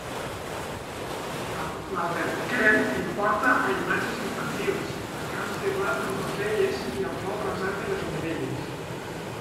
L'albercoquer em porta a imatges infantils, a camps de blat amb roselles i al vol rasant de les oronelles.